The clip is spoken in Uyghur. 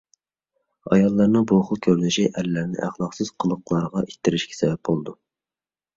ئاياللارنىڭ بۇ خىل كۆرۈنۈشى ئەرلەرنى ئەخلاقسىز قىلىقلارغا ئىتتىرىشكە سەۋەب بولىدۇ.